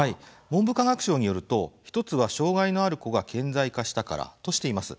文部科学省によると１つは、障害のある子が顕在化したからとしています。